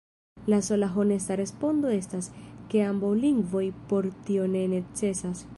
La sola honesta respondo estas, ke ambaŭ lingvoj por tio ne necesas.